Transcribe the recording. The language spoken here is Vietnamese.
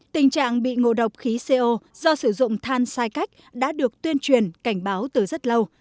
tình trạng bị ngộ độc khí co do sử dụng than sai cách đã được tuyên truyền cảnh báo từ rất lâu